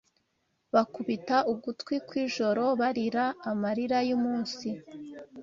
Bakubita ugutwi kw'ijoro, Barira amarira y'umunsi